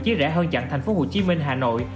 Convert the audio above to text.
hồ chí minh hà nội